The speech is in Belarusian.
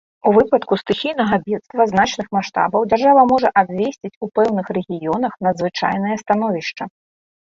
У выпадку стыхійнага бедства значных маштабаў дзяржава можа абвясціць у пэўных рэгіёнах надзвычайнае становішча.